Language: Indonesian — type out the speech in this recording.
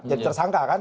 jadi tersangka kan